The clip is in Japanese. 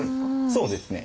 そうですね。